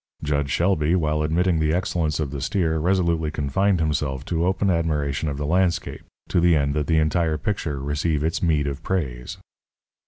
Jud Shelby, while admitting the excellence of the steer, resolutely confined himself to open admiration of the landscape, to the end that the entire picture receive its meed of praise.